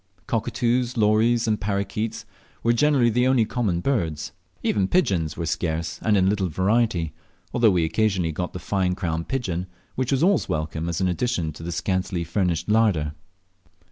Cockatoos, lories, and parroquets were really the only common birds. Even pigeons were scarce, and in little variety, although we occasionally got the fine crown pigeon, which was always welcome as an addition to our scantily furnished larder.